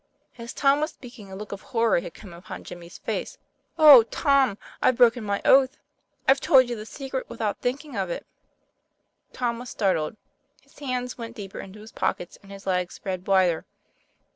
As Tom was speaking, a look of horror had come upon Jimmy's face. ;' Oh, Tom, I've broken my oath. I've told you the secret without thinking of it." Tom was startled. His hands went deeper into his pockets and his legs spread wider.